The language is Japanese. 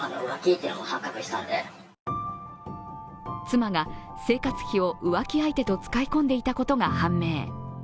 妻が、生活費を浮気相手と使い込んでいたことが判明。